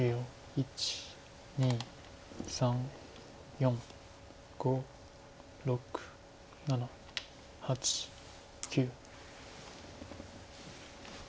１２３４５６７８９。